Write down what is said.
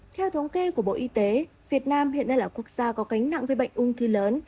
theo thống kê của bộ y tế việt nam hiện nay là quốc gia có cánh nặng với bệnh ung thư lớn